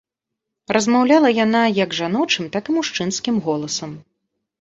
Размаўляла яна як жаночым, так і мужчынскім голасам.